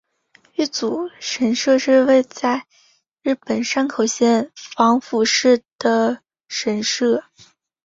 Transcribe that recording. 玉祖神社是位在日本山口县防府市的神社。